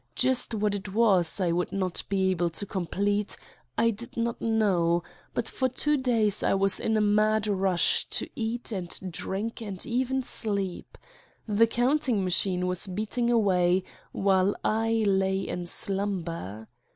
Just what it was I would not be able to complete I did not know, but for two days I was in a mad rush to eat and drink and even sleep: the counting machine was beating away while I lay in slumber!